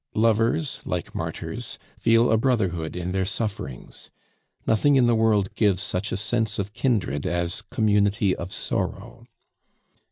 Lovers, like martyrs, feel a brotherhood in their sufferings! Nothing in the world gives such a sense of kindred as community of sorrow.